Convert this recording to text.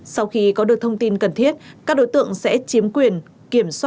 sau khi có được thông tin cần thiết các đối tượng sẽ chiếm quyền kiểm soát